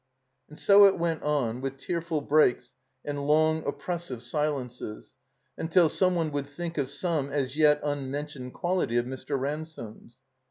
And so it went on, with tearful breaks and long, oppressive silences, until some one would think of some as yet unmentioned quality of Mr. Ransome's.